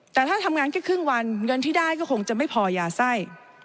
แต่ถ้าทำงานแค่ครึ่งวันเงินที่ได้ก็คงจะไม่พอยาไส้